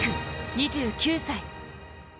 ２９歳。